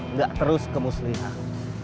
nggak terus kemuslihan